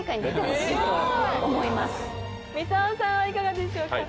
みさおさんはいかがでしょうか？